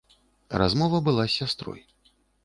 Размова была з сястрой.